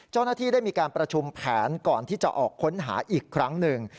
เจ้าหน้าที่ได้มีการประชุมแผนก่อนที่จะออกค้นหาอีกครั้งหนึ่ง